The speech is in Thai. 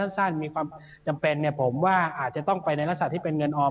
สั้นมีความจำเป็นผมว่าอาจจะต้องไปในลักษณะที่เป็นเงินออม